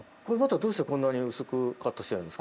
どうして薄くカットしているんですか？